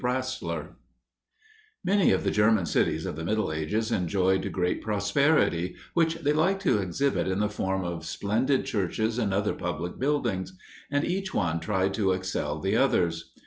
BRASSLER Many of the German cities of the Middle Ages enjoyed great prosperity, which they liked to exhibit in the form of splendid churches and other public buildings; and each one tried to excel the others.